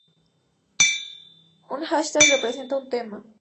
Una "hashtag" representa un tema.